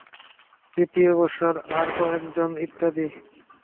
দ্বিতীয় বৎসর আর একজন ইত্যাদি।